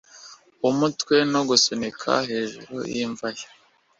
umutwe no gusunika hejuru y'imva ye